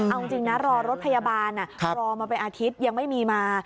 เอาจริงนะรอรถพยาบาลรอมาเป็นอาทิตย์ยังไม่มีมา